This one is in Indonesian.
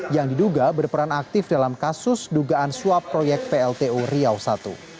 yang diduga berperan aktif dalam kasus dugaan suap proyek pltu riau i